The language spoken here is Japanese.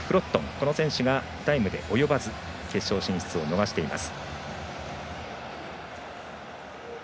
この選手がタイムで及ばず決勝進出を逃しています。